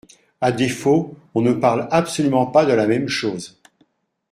À défaut, on ne parle absolument pas de la même chose.